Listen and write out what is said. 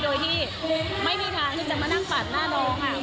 โดยที่ไม่มีทางที่จะมานั่งปาดหน้าน้อง